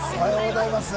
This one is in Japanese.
おはようございます。